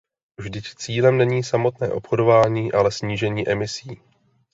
Vždyť cílem není samotné obchodování, ale snížení emisí.